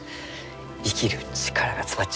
生きる力が詰まっちゅう。